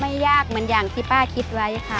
ยากเหมือนอย่างที่ป้าคิดไว้ค่ะ